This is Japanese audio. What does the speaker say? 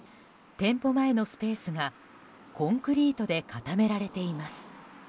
店舗前のスペースがコンクリートで固められています。